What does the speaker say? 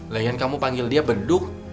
layan kamu panggil dia beduk